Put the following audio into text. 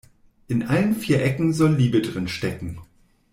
In allen vier Ecken soll Liebe drin stecken.